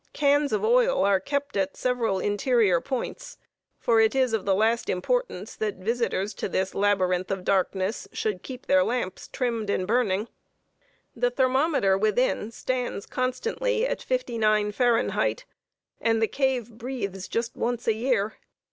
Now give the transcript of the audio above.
Cans of oil are kept at several interior points; for it is of the last importance that visitors to this labyrinth of darkness should keep their lamps trimmed and burning. [Sidenote: THE MAMMOTH CAVE. LUNG COMPLAINTS.] The thermometer within stands constantly at fifty nine Fahrenheit; and the cave "breathes just once a year."